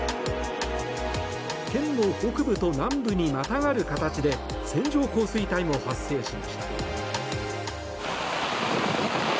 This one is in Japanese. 県の北部と南部にまたがる形で線状降水帯も発生しました。